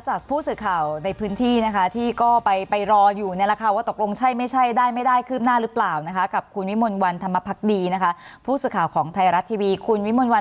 สุข่าวของไทยรัตน์ทีวีคุณวิมวลวันสวัสดีค่ะเชิญค่ะ